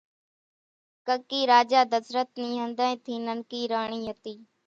ڪڪِي راجا ڌسرت نِي ۿنڌانئين ٿي ننڪي راڻي ھتي